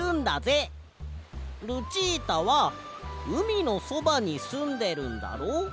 ルチータはうみのそばにすんでるんだろ？